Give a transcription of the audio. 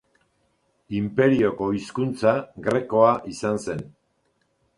Inperioko hizkuntza grekoa izan zen.